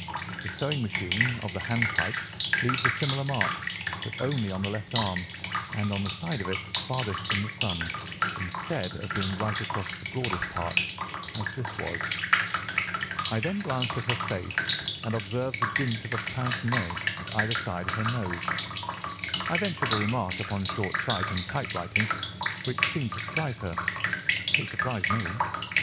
The sewing machine, of the hand type, leaves a similar mark, but only on the left arm, and on the side of it farthest from the thumb, instead of being right across the broadest part, as this was. I then glanced at her face, and, observing the dint of a pince nez at either side of her nose, I ventured a remark upon short sight and typewriting, which seemed to surprise her." "It surprised me."